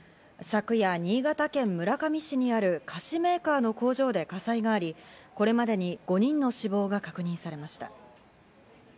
昨夜、新潟県村上市にある菓子メーカーの工場で火災があり、これまでに５人の死亡が確認されました。